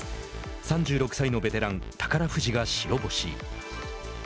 ３６歳のベテラン、宝富士が白星。